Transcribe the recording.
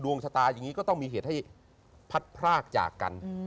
ชะตาอย่างนี้ก็ต้องมีเหตุให้พัดพรากจากกัน